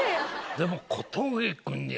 でも。